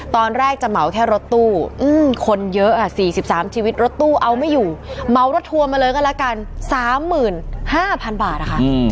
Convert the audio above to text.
ตอนแรกจะเหมาแค่รถตู้คนเยอะ๔๓ชีวิตรถตู้เอาไม่อยู่เหมารถทัวร์มาเลยก็แล้วกัน๓๕๐๐๐บาทนะคะ